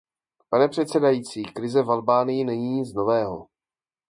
Pane předsedající, krize v Albánii není nic nového.